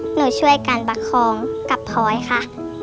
หนูช่วยกันประคองกับพลอยค่ะ